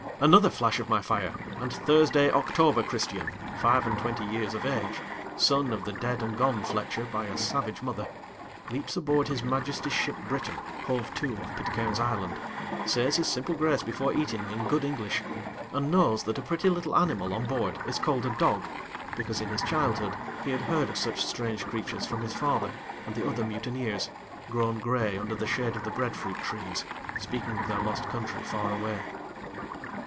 Another flash of my fire, and 'Thursday October Christian,' five and twenty years of age, son of the dead and gone Fletcher by a savage mother, leaps aboard His Majesty's ship Briton, hove to off Pitcairn's Island; says his simple grace before eating, in good English; and knows that a pretty little animal on board is called a dog, because in his childhood he had heard of such strange creatures from his father and the other mutineers, grown grey under the shade of the bread fruit trees, speaking of their lost country far away.